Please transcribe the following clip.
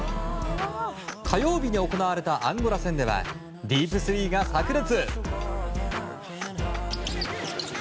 火曜日に行われたアンゴラ戦ではディープスリーが炸裂。